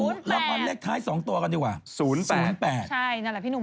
แนละพี่หนุ่มบอกไม่ได้